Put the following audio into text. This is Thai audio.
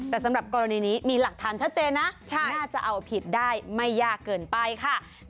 แต่สำหรับกรณีนี้มีหลักฐานชัดเจนนะน่าจะเอาผิดได้ไม่ยากเกินไปค่ะ